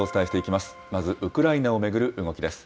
まずウクライナを巡る動きです。